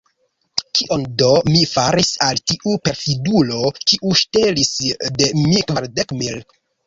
Kion do mi faris al tiu perfidulo, kiu ŝtelis de mi kvardek mil?